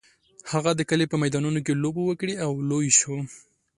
هغه د کلي په میدانونو کې لوبې وکړې او لوی شو.